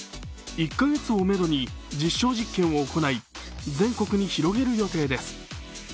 １カ月をめどに実証実験を行い全国に広げる予定です。